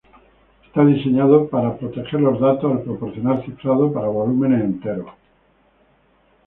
Está diseñado para proteger los datos al proporcionar cifrado para volúmenes enteros.